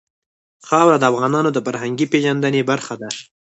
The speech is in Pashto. خاوره د افغانانو د فرهنګي پیژندنې برخه ده.